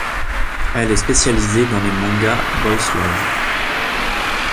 Elle est spécialisée dans les mangas Boy's Love.